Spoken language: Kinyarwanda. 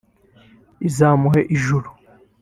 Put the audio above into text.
izamuhe ijuru